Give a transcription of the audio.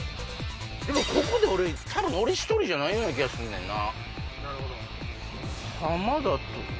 ここで多分俺１人じゃないような気がすんねんな。